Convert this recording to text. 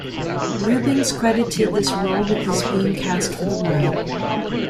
Reubens credited this role with his being cast for the ride.